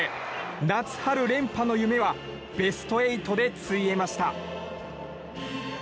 夏春連覇の夢はベスト８でついえました。